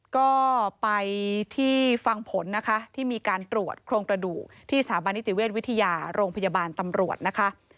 ก็ไปที่ฟังผลนะคะที่มีการตรวจโครงกระดูกที่สถาบันนิติเวชวิทยาโรงพยาบาลตำรวจนะคะ